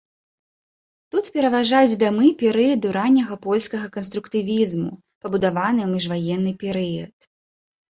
Тут пераважаюць дамы перыяду ранняга польскага канструктывізму, пабудаваныя ў міжваенны перыяд.